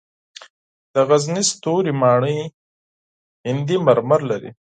د غزني ستوري ماڼۍ هندي مرمر لري